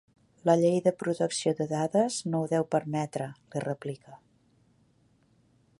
La llei de protecció de dades no ho deu permetre —li replica—.